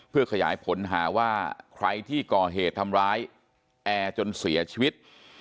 เพื่อขยายผลหาว่าใครที่ก่อเหตุทำร้ายแอร์จนเสียชีวิต